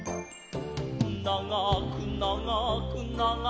「ながくながくながく」